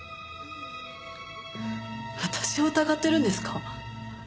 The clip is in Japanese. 私を疑ってるんですか？